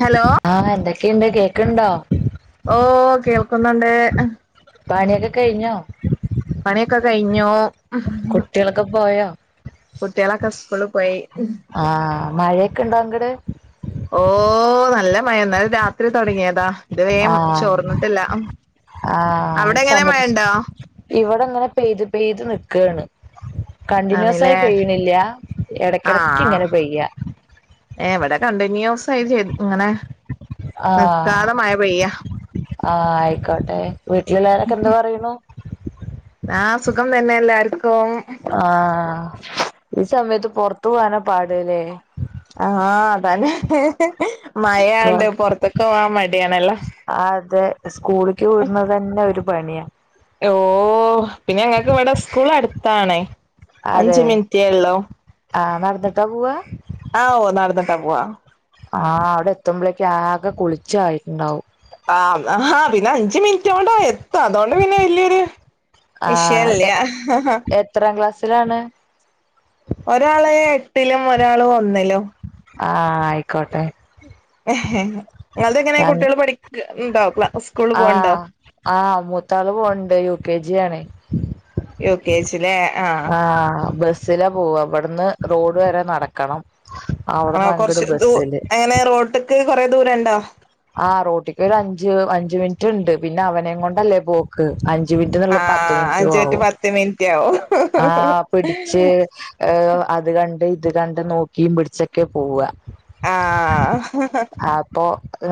Hello ആ എന്തക്കെ- ണ്ട് കേൾക്കുന്നുണ്ടോ ഓ കേൾക്കുന്നുണ്ട് പണിയൊക്കെ കഴിഞ്ഞോ? പണിയൊക്കെ കഴിഞ്ഞു കുട്ടികളൊക്കെ പോയോ കുട്ടികളൊക്കെ സ്കൂളി പോയ്‌ ഒക്കെ ഉണ്ടോ അങ്ങ്ട് ഓ നല്ല മഴ ഇന്നലെ രാത്രി തുടങ്ങിയതാ ആ ഇതുവരേം ചോർന്നിട്ടില്ല ആ അവിടെ എങ്ങനെയാ മഴ ഉണ്ടോ അങ്ങനെ പെയ്ത് പെയ്ത് നിക്കാണ് കണ്ടിന്യുസായി ആണല്ലേ പെയ്യണില്ല ഇടയ്ക്ക് ഇടയ്ക്ക് ഇങ്ങനെ പെയ്യാ ഏ ഇവിടെ കണ്ടിന്യുസ് ആയി ഇങ്ങനെ ആ നിർത്താതെ മഴ പെയ്യാ ആയിക്കോട്ടെ വീട്ടിലുള്ളോരൊക്കെ എന്ത് പറയണു ആഹ് സുഖം തന്നെ എല്ലാർ ആഹ് ഈ സമയത്ത് പുറത്ത് പോകാനാ പാട് ഇല്ലേ ആഹ് അതന്നെ മഴ ആയകൊണ്ട് പുറത്തൊക്കെ പോകാൻ മടിയാണല്ലോ അതെ സ്കൂളിലേക്ക് വിടുന്നത് തന്നെ ഒരു പണിയാ ഇ ഓ പിന്നെ ഞങ്ങൾക്ക് ഇവിടെ സ്കൂള് അടുത്താണേ അഞ്ച് മിനിറ്റേ ഉള്ളൂ ആഹ് നടന്നിട്ടാ പോവ്വാ ആവോ നടന്നിട്ടാ പോവാ ആ അവിടെത്തുമ്പോഴേക്ക് ആകെ കുളിച്ച് ആയിട്ടുണ്ടാവും ആ ആഹ് അഞ്ച് മിനി മിനിറ്റ് കൊണ്ടാ എത്തുക അതുകൊണ്ട് വല്യൊരു വിഷയം ഇല്ല്യ സ്സിലാണ് ഒരാള് എട്ടിലും ഒരാള് ഒ ന്നിലും ആഹ് ആയിക്കോട്ടെ നിങ്ങൾടെ എങ്ങനെയാ കുട്ടികൾ പഠിക്ക ഉണ്ടോ ആ ആ മൂത്താള് പോകുന്നുണ്ട് യൂ കെ ജി ആണേ യു കെ ജി ലെ ആഹ് ബസ് സ്സില പോവുക ഇവിടുന്ന് റോഡ് വരെ നടക്കണം ആണോ അവിടന്ന് അങ്ങട് കുറച്ചു ബസ്സില് എങ്ങനെ റോഡിക്ക് കുറെ ദൂരം ഉണ്ടോ ആ റോഡിക്ക് ഒരു അഞ്ച് അഞ്ച് മിനിറ്റുണ്ട് പിന്നെ അവനെയും കൊണ്ടല്ലേ പോക്ക് അഞ്ച് ആ മിനിറ്റെന്നുള്ളത് പത്ത് മിനിറ്റും അഞ്ച് ടു ആവും പത്ത് മിനിറ്റ് ആവും ആ പിടിച്ച് അത് കണ്ട് ഇത് കണ്ടും നോക്കീം പിടിച്ചുമൊക്കെയാ പോവുക ആ അപ്പൊ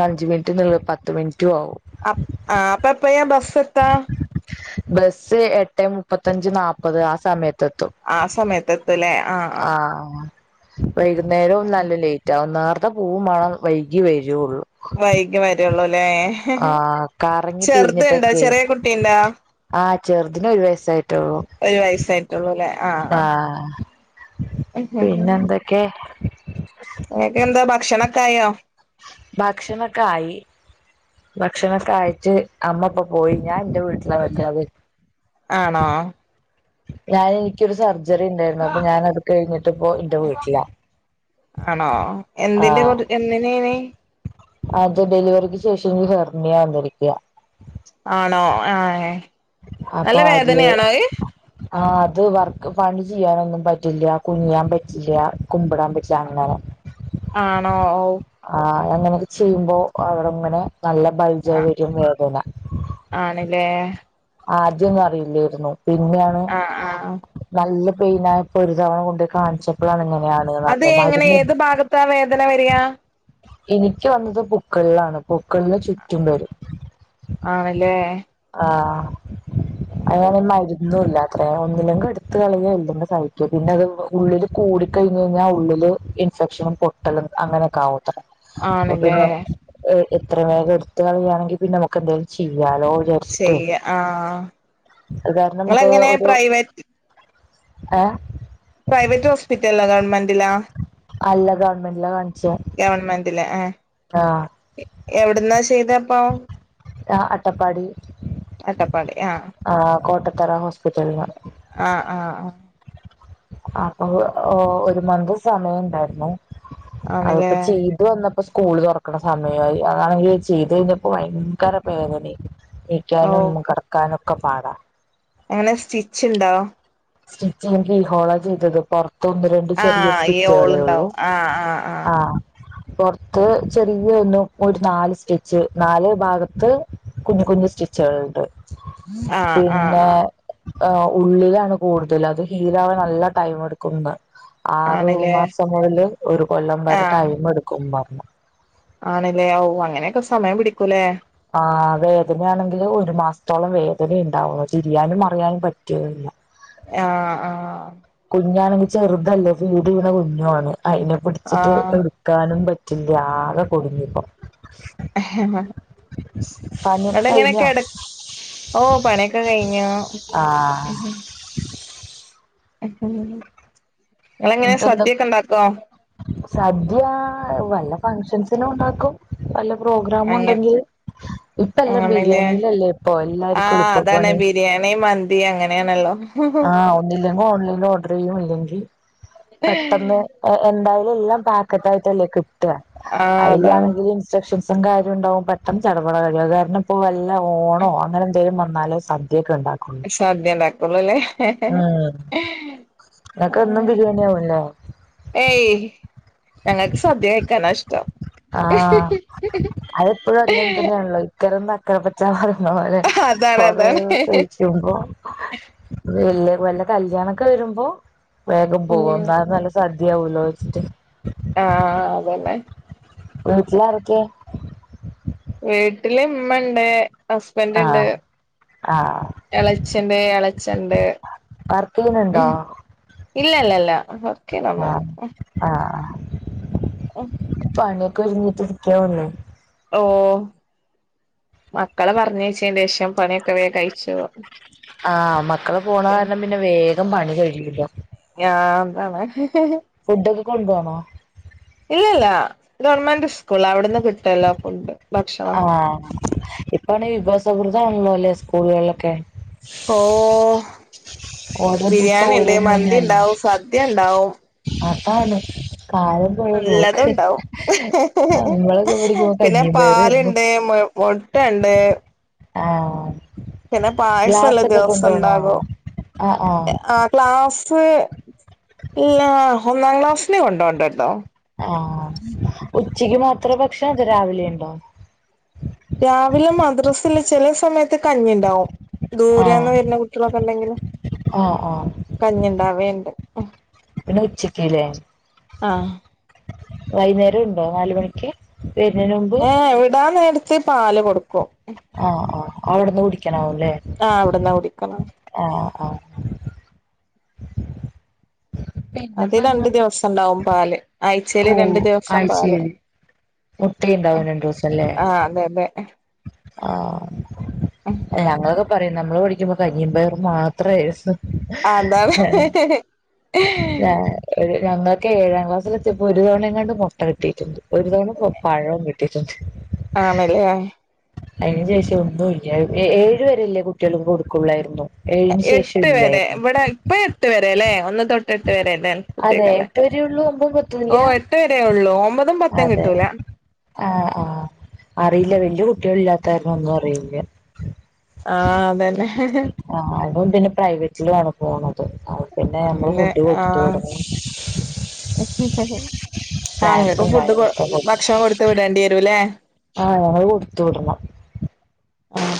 അഞ്ച് മിനിറ്റെന്ന് ഉള്ളത് പത്തു മിനിറ്റും ആവും ആ അപ്പൊ എപ്പയാ ബസ്സ് എത്തുക ബസ്സ് ഏട്ടേ മുപ്പത്തഞ്ച് നാല്പത് ആ സമയ ആ സമയത്ത് എത്തും ല്ലേ ആ ആ വൈകുന്നേരം നല്ല ലേറ്റാവും നാ നേരത്തെ പോകുവേം വേണം വൈകിയേ വരുള്ളൂ വൈകി വരൂള്ളൂ അ ല്ലേ ആഹ് കറങ്ങി ചെറുത്‌ ഉണ്ടോ തിരിഞ്ഞിട്ടൊക്കെ ചെറിയ കുട്ടി ഉണ്ടോ ആഹ് ചെറുതിന് ഒരു വയസായി ട്ടേയുള്ളു വയസായിട്ടുള്ളൂല്ലേ ആ ആഹ് പിന്നെ എന്തൊക്കെ ഒക്കായോ ഭക്ഷണം ഒക്കെ ആയി ഇന്റെ വീട്ടിലാ നിക്കണത് ആണോ രാവിലെനിക്കൊരു സർ സർജറിണ്ടായിരുന്നു അപ്പൊ ഞാനത് കയ്ഞ്ഞിട്ടിപ്പോ ഇന്റെ വീട്ടിലാ ആണോ ആ എന്തിന്റെ കുറി എന്തിനേനി അത്‌ ഡെലിവറിക്ക്‌ ശേഷം എനിക്ക് ഹെർമിയ വന്നിരിക്കാ ആണോ ആ ഏ നല്ല വേദനയാണോ അത് ആ അത് വർക്ക്‌ പണി ചെയ്യാനൊന്നും പറ്റില്ല കുനിയാൻ പറ്റില്ല കുമ്പിടാനും പറ്റില്ല അങ്ങനെ ആണോ ഔ ആ അങ്ങനെക്കെ ചെയ്യുമ്പോ അവ്ടെങ്ങനെ നല്ല ബൽജിആയി വരും വേദന ആണ് ലേ ആദ്യൊന്നും അറിയില്ലേര്ന്നു പിന്നെയാണ് ആഹ് ആഹ് നല്ല പൈൻ ആയപ്പോ ഒരു തവണ കൊണ്ടോയി കാണിച്ചപ്പോളാണ് ഇങ്ങനെ അത് എങ്ങനെ ഏത് ഭാഗത്താ വേദന വരാ ഇനിക്ക് വന്നത് പുക്ക്ള്ളാണ് പുക്ക്ൾന് ചുറ്റും വരും ആണ് ല്ലേ [unintelligible] മരുന്നുവില്ല വേണമെങ്കി ഒന്നെങ്കി ട്ത്ത് കളയാ ഇല്ലങ്കി സഹിക്ക്യാ പിന്നത് ഉള്ളില് കൂടി കഴ്ഞ്ഞ ഴ് ഞ്ഞാ ഉള്ളില് ഇൻഫൺ ഷൻ പൊട്ടലും അങ്ങനെക്കാവും [unintelligible] അപ്പൊ ആണല്ലേ പിന്നെ അ് എത്രവേഗം ട്ത്ത് കളയാണങ്കി പിന്നെനമുക്ക് എന്തെങ്കിലും ചെ ചെയ്യാം ആ അത് നിങ്ങളെങ്ങനെ പ്രൈവറ്റ് ആ പ്രൈവറ്റ് ഹോസ്പിറ്റലിലാ ഗവൺമെന്റിലാ അല്ല ഗവൺമെന്റിലാ കാണി ഗവൺമെന്റിലാ ആ എവ്ട്ന്നാ ചെയ്തപ്പോ ആ അട്ടപ്പാടി അട്ടപ്പാടി ആ തറ ഹോസ്പിറ്റല് ന്ന് ആ ആ ആ അപ്പോ ഒ ഒരു മൻത്ത് സമയണ്ടായിരുന്നു അഅ്പ്പോ ആണല്ലേ ചെയ്ത് വന്നപ്പോ സ്കൂൾ തൊറക്ക്ണ സമയ യായി അതാണെങ്കി ചെയ്തഴ്ഞ്ഞപ്പോ ഭയങ്കര പേദനിം ഇക്ക്യാനും കെടക്കാനും ക്ക പാടാ എങ്ങനെ സ്റ്റിച്ച് ണ്ടോ സ്റ്റിച്ച് എനിക്ക് ഹോളോ ചെയ്തത് പൊർ ആ ഈ ഹോള്ണ്ടാവും ആ ആ ആ പൊർത്ത് ചെറിയ ഒന്ന് ഒരു നാല് സ്റ്റിച്ച് നാല് ഭാഗത്ത് കുഞ്ഞുകുഞ്ഞ് സ്റ്റിച്ചുകള്ണ്ട് ആ ആ ആ അ് ഉള്ളിലാണ് കൂടുതല് അത് ഹീലാവാൻ നല്ല ടൈം മെടുക്കുന്ന് ആണല്ലേ ആറുമാസം മുതൽ ഒരു കൊല്ലം വരെ ടൈം മെടുക്കുന്ന പറ ആണ്ല്ലേ ഓ അങ്ങനെക്കെ സമയം പിടിക്കുല്ലേ ആ വേദനയാണെങ്കിലു ഒരു മാസത്തോളം വേദനയ്ണ്ടാവും തിരിയാനും മറിയാനും പറ്റൂല്ല ആ ആ കുഞ്ഞാണെങ്കില് ചെറ്തല്ലേ ഫീഡെയ്യ്ണ കുഞ്ഞാണ് അയ്നെ പിടിച്ചിട്ട് ആഹ് എടുക്കാനും പ റ്റില്ല ആകെ കുടുങ്ങി പോ പണിയൊക്കെ ഇങ്ങട്ടെങ്ങനെ കഴിഞ്ഞോ കെട ഓ പണ്യൊക്കെ കഴിഞ്ഞു ആ ഇങ്ങളെങ്ങനെ സദ്യൊക്കെ ണ്ടാ ക്വോ സാദ്യ [unintelligible] വല്ല ഫങ്ക്ഷൻസു നും ഒണ്ടാക്കും വല്ല പ്രോഗ്രാമും അങ്ങ ഒണ്ടങ്കിൽ ഇപ്പം എല്ലാം ആണല്ലേ ബിരിയാണിയിലല്ലേ ഇപ്പൊ എല്ലാർക്കും എളുപ്പ പണി വേണോല്ലോ ആഹ് ഒന്നിലും കോളി ഓഡറ് ചെയ്യും ഇല്ലെങ്കി പെട്ടന്ന് എന്തായാലും എല്ലാം പാക്കറ്റ് ആയിട്ടല്ലേ കിട്ട്കാ ആഹ് അതാണ് അയിലാണെങ്കി ഇൻസ്‌ട്രേക്ഷൻ സ് കാര്യോം ഒണ്ടാകും പെട്ടന്ന് ചടപട കഴിയും അത് കാരണം ഇപ്പോ വ ല്ല ഓണാവോ അങ്ങനെന്തേലും വന്ന ന്നാലും സദ്യ സദ്യ ഒണ്ടാ കൊള്ളുല്ലേ ഉം നിനക്ക് എന്നും ബിരിയാണി ആവുംല്ലേ ഏയ് ഞങ്ങക്ക് സദ്യ കഴിക്കാനാ ഇഷ്ട്ടം ആഹ് അത് എപ്പഴും അങ്ങനെ തന്നെയാണല്ലോ നക്കരം നക്കാ പച്ച അതാണ് കുറെ അതാണ് കഴിക്കുമ്പോൾ വലിയ വല്ല കല്യാണം ഒക്കെ വരുമ്പോ വേഗം പോകും ഉം കാരണം നല്ല സദ് ദ്യ ആവുല്ലോ വെച്ചിട്ട് ആഹ് അതന്നെ വീട്ടിൽ ആരൊക്കെ? ട്ടില് ഉമ്മണ്ട് ഹസ്ബൻഡ് ഉണ്ട് ആഹ് ആഹ് ഇളച്ചന്റെ ഇളച്ചണ്ട് വർക്ക് ചെയ്യുന്നുണ്ടോ മ് ഇല്ല ഇല്ല ഇല്ല വർക്ക്‌ ചെയ്യുന്നെന്നുല്ല. ആഹ് ഏഹ്? പണിക്കൊഴിഞ്ഞിട്ടേ ഇരിക്കെ ഉള്ളു. ഓഹ് മക്കളെ മ എണീച്ചെയ്ന്റെഷം പണിയൊക്കെ വേം കയിച്ചു ആഹ് മക്കള് പോണ കാരണം പിന്നെ വേഗം പണി ഞാൻ ആണ്. ഫുടൊ കൊണ്ട് പോണോ? ഇല്ലല്ല ഗവണ്മെന്റ് സ്കൂളിലാ അവിടുന്ന് കിട്ടുമല്ലോ ഫുഡ്‌ ആഹ് ഇ ഇപ്പാണേ വിഭവ സമൃദ്ധാണല്ലോ ല്ലെ സ്കൂളുകളിലൊക്കെ. കോഹ് ഓരോ ദിവസം ബിരിയാണി ഓരോ ണ്ട് മന്തി മെനുവല്ലേ ണ്ടാവു സദ്യ ണ്ടാവും. അതാണ് കാലം പോയ എല്ലതും പോക്ക് ണ്ടാവും നമ്മളൊക്കെ പഠിക്കുമ്പോ പിന്നെ കഞ്ഞിയും പാല് പയറുവായിരുന്നു ണ്ട് മു മുട്ട ണ്ട് ആഹ് പിന്ന പായസ ള്ള ഗ്ലാസൊക്കെ ദെവ്സ കൊണ്ടുപോണോ ണ്ടാകു ആഹ് ആഹ് ആ ക്ലാസ്സ് സ്സ് ല്ലാ ആ ഒന്നാക്ലാസ്സിന് കൊണ്ടോണ്ടെ ണ്ടൊ ആഹ് ഉ ച്ചക്ക് മാത്ര ഭക്ഷണം അതോ രാവിലെയ് ണ്ടൊ രാവിലെ മദ്രസില് ചെല സമയത് ത്ത് കഞ്ഞി ണ്ടാവും ആഹ് ദൂരേന്ന് വെര്ണ കുട്ട്യളൊക്ക ണ്ടെങ്കിൽ ആഹ് കഞ്ഞി ണ്ടാവേണ്ട് മ് പിന്ന ഉച്ചക്ക് ലേ ആഹ് വൈയ്ന്നേരം ഉണ്ടോ നാല് മണിക്ക് വരുന്നതിന് മുമ്പ് ഏഹ് വ്ടാന്നെര് ത്ത് പാല് കൊട്ക്കു ആ ആഹ് അവ്ട്ന്ന് കുടിക്ക്‌ ആഹ് അവ്ട്ന്നാ കുടിക്കാ ആ ആഹ് അതി പിന്നെപ്പ എന്താ രണ്ട് ദിവ്സണ്ടാവും പാല് ആയ്ചേല് രണ്ട് ദിവ്സം പാല് മുട്ടെയ് ണ്ടാവു രണ്ടോസം ല്ലേ ആഹ് അതെ അതെ ആഹ് എ ഞങ്ങോക്ക്‌ പ്പറ്യും നമ്മള് പഠിക്കുമ്പോ കഞ്ഞിം പയറും മാത്രയ്‌ന്ന് അതാണ് ഞങ്ങക്കേ ഏഴാം ക്ലാസ്സിലെത്ത്യെപ്പോ ഒരു തവണെങ്ങാണ്ട് മുട്ട കിട്ടീട്ട്ണ്ട് ഒരുതവണ പ പഴോ കിട്ടീട്ട്ണ്ട് ആണ്ല്ലേ അയ്ൻ ശേഷം ഒന്നുല്ല ഏഴ് വെരെല്ലേ കുട്ട്യൾക്ക് കൊട്ക്കുള്ളായ്ര്ന്നു എട്ട് വരെ വ്ട പ്പ എട്ട് വരെ ല്ലേ ഒന്ന് തൊട്ട് എട്ട് വരെ ല്ലേ അതെ കുട്ട്യക്കല്ലേ എട്ട് വരെയുള്ളൂ ഒമ്പതും പത്തുമില്ല അതെ ആഹ് ആഹ് അറീല്ല. വല്യ കുട്ട്യേള് ഇല്ലാത്ത കാരണം ഒന്നു അറിയൂ ല ആഹ് അതന്നെ ആ അതും പിന്നെ പ്രൈവറ്റിൽ ആണു പോണം ആണല്ലേ ആഹ് വിടണം ആഹ് ഇങ്ങക്ക് സ്നാക്സും ഫുഡ് കൊ കാര്യങ്ങളൊക്കെ കൊടുക്കണം ഭക്ഷണം കൊടുത്ത് വിടേണ്ടി വരൂല്ലേ? അത് കൊടുത്ത് വിടണം ആഹ്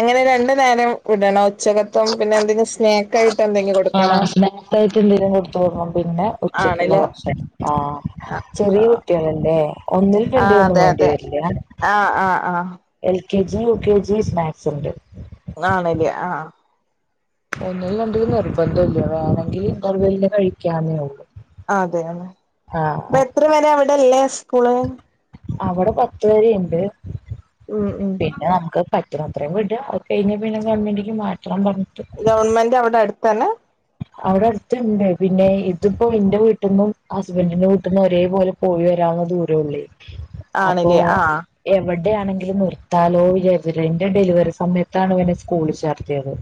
എങ്ങനെ രണ്ടു നേരം വിടണോ? ഉച്ചകത്തും പിന്നെ എന്തെങ്കിലും സ്നാക്ക് ആയിട്ട് എന്തെങ്കിലും ആ കൊടുക്കണോ സ്നേക് ആയിട്ട് എന്തെങ്കിലും കൊടുത്ത് വിടണം പിന്നെ ഉച്ചക്കുള്ള ആണല്ലേ ഭക്ഷണം. ആഹ് ആഹ് ചെറിയ ആഹ് കുട്ടിയേളല്ലേ ഒന്നിനും ആഹ് രണ്ടിനും ഒന്നും അതെ വേണ്ടി അതെ വരില്ല. ആഹ് ആഹ് ആഹ് L K G U K G snacks ണ്ട്. ആണ് ലേ ആഹ് ഒന്നിലും രണ്ടിലും നിർബന്ധംല്ല വേണെങ്കില് ഇൻ്റർവെൽന് കഴിക്കാന്നേ ഒള്ളു. അതെ ലേ ഇപ്പ എത്ര വരെ അവിടെല്ലത്? സ്കൂള് അവിടെ പത്ത് വരി ഇണ്ട്. ഉം ഉം പറ്റണം അത്രയും വിടുക അത് കഴിഞ്ഞാ പിന്നെ ഗവൺമെന്റിക്ക് മാറ്റ ഗവണ്മെന്റ് അവിടെ അടുത്തന്നെ അവിടെ അടുത്തുണ്ട് പിന്നെ ഇതിപ്പോ എന്റെ വീട്ടിന്നും ഹസ്ബൻഡിന്റെ വീട്ടിന്നും ഒരേ പോലെ പോയി വരാവുന്ന ദൂരള്ളു അപ്പൊ ആണില്ലേ ആഹ് എവിടെയാണെങ്കിലും നിർത്താൻ ഓം വിചാരിച്ച് എന്റെ ഡെലിവറി സമയത്താണ് ഇവനെ സ്കൂളി ചേർത്തിയത്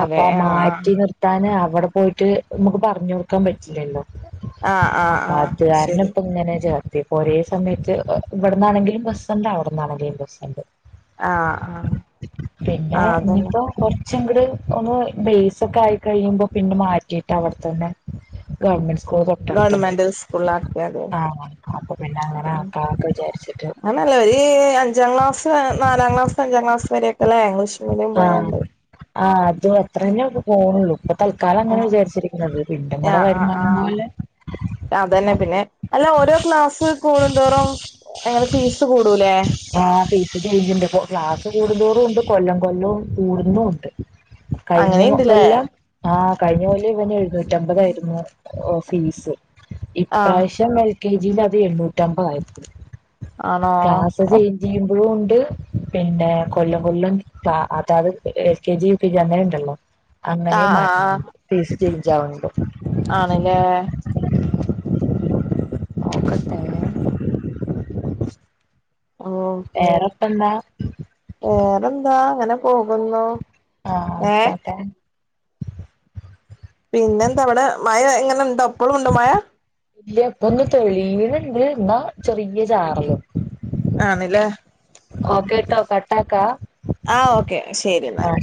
അതെ അപ്പൊ ആഹ് ആഹ് മാറ്റി നിർ ഞാൻ അവിടെ പോയിട്ട് നമുക്ക് പറഞ്ഞു കൊടുക്കാൻ പറ്റില്ലല്ലോ ആഹ് ആഹ് അപ്പൊ ആഹ് അത്കാരണം ശരി ഇപ്പ ഇങ്ങനെ ചേ ഇപ്പോ ഒരേ സമയത്ത് ഇവിടന്നാണെങ്കിലും ബസ്ണ്ട് അവിടന്നാണെങ്കിലും ബസ്ണ്ട് ആഹ് ആഹ് ആഹ് അതന്നെ ടെ ഒന്ന് ബേസൊക്കെ ആയി കഴിയുമ്പോ പിന്നെ മാറ്റിയിട്ട് അവിടെത്തന്നെ ഗവൺമെന്റ് സ് ഗവൺമെന്റ് സ്കൂളാക്കിയാല് ആഹ് അപ്പൊ പിന്നെ അങ്ങനെ ആക്കാന്നൊക്കെ വിചാരിച്ചിട്ട് അങ്ങനല്ല ഈ അഞ്ചാം ക്ലാസ് നാലാം ക്ലാസ് അഞ്ചാം ക്ലാസ് വരെക്കെല്ലേ ഇംഗ്ലീഷ് മീഡിയം ആഹ് പോയാണ്ട് ആഹ് അത് അത്ര തന്നെ പോണുള്ളൂ ഇപ്പൊ തൽക്കാലം അങ്ങനെ വിചാരിച്ചിരിക്കുന്നത് പിന്നെ ആഹ് നമ്മടെ ആഹ് വരുമാനം ആഹ് പോലെ അതന്നെ പിന്നെ അല്ല ഓരോ ക്ലാസ്സ് കൂടുന്തോറും എങ്ങനെ ഫീസ് കൂടൂലേ ഇണ്ട് ക്ലാസ് കൂടുന്തോറും ഉണ്ട് കൊല്ലം കൊല്ലവും കൂടുന്നുണ്ട് കഴിഞ്ഞ അങ്ങനെയുണ്ടല്ലേ മുമ്പെല്ലാം ആഹ് കഴിഞ്ഞ പോലെ ഇവന് എഴുന്നൂറ്റ അമ്പതായിയിരുന്നു ഓഫീസ് ആഹ് ഇപ്രാവശ്യം വെ [unintelligible] എന്നുട്ടമ്മത് ആയപ്പോഴ് ആണോ കാഷ [unintelligible] ആഹ് ഇത് പിന്നെ കൊല്ലം കൊല്ലം ക്ലാ അചാ [unintelligible] എൽക്കെ ജി യു ക്കെ ജി അങ്ങനെ ഇണ്ടല്ലൊ അങ്ങെനേയു ആഹ് മാറ്റ് [inaudible] ഇഞ്ചാവ്ണ്ട് ആണ് ലേ നോക്കട്ടെ [inaudible] ഓ വേറെപ്പെന്താ വേറെന്താ അങ്ങനെ പോകുന്നു ആഹ് ഏഹ് ആയ്ക്കോട്ടെ പിന്നെന്താ ഇവടെ മഴ ഇങ്ങന ഇണ്ടൊ ഇപ്പൊളൂണ്ടൊ മഴ ഇല്ല ഇപൊന്ന് തെളീയിണ് ഇണ്ട് ഇന്നാ ചെറീയ ചാറലും ആണില്ലേ ഓക്കേട്ടോ കാട്ടാക്ക ആ ഓക്കേ ശെരിന്നാൽ